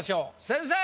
先生。